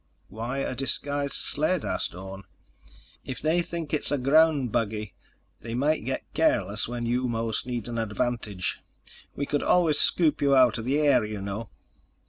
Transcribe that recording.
"Why a disguised sled?" asked Orne. "If they think it's a ground buggy, they might get careless when you most need an advantage. We could always scoop you out of the air, you know."